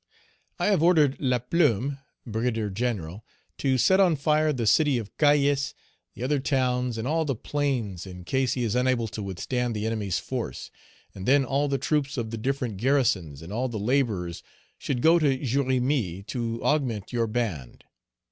"I have ordered Laplume, Brigadier General, to set on fire the City of Cayes, the other towns, and all the plains, in case he is unable to withstand the enemy's force, and then all the troops of the different garrisons, and all the laborers should go to Jérémie to augment your band.